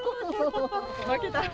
負けた。